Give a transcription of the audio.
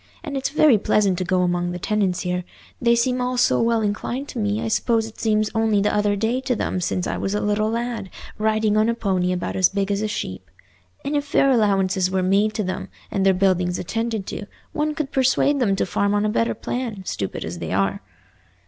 And it's very pleasant to go among the tenants here—they seem all so well inclined to me I suppose it seems only the other day to them since I was a little lad, riding on a pony about as big as a sheep. And if fair allowances were made to them, and their buildings attended to, one could persuade them to farm on a better plan, stupid as they are."